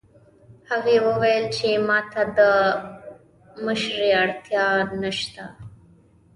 هغې وویل چې ما ته د مشورې اړتیا نه شته